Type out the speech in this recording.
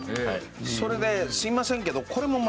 それですいませんけど。